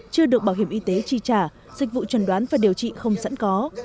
chưa được bảo hiểm y tế chi trả dịch vụ trần đoán và điều trị không sẵn có